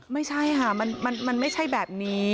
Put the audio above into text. ไม่ใช่ค่ะมันไม่ใช่แบบนี้